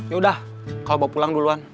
yaudah kau bawa pulang duluan